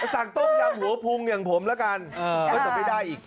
สั่งต้มยำหัวพุงอย่างผมแล้วกันก็จะไม่ได้อีก